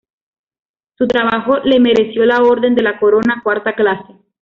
Su trabajo le mereció la Orden de la Corona, cuarta clase.